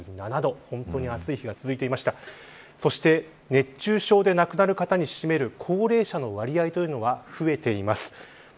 熱中症で亡くなる方に占める高齢者の割合が増えています。